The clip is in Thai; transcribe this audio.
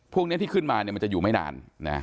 พวกนี้ที่ขึ้นมามันจะอยู่ไม่นาน